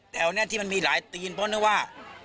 แต่วันนี้ที่มันมีหลายตีนเพราะว่า